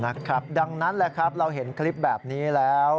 นะครับดังนั้นแหละครับเราเห็นคลิปแบบนี้แล้ว